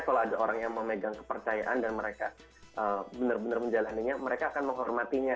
kalau ada orang yang memegang kepercayaan dan mereka benar benar menjalannya mereka akan menghormatinya